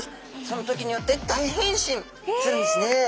その時によって大変身するんですね。